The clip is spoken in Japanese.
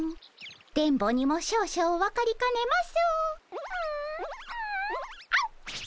電ボにも少々分かりかねます。